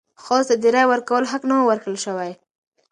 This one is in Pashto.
ښځو ته د رایې ورکولو حق نه و ورکړل شوی.